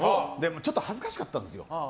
ちょっと恥ずかしかったんですよ。